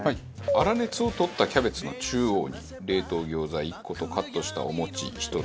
粗熱を取ったキャベツの中央に冷凍餃子１個とカットしたお餅１つ。